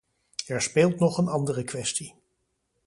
Er speelt nog een andere kwestie.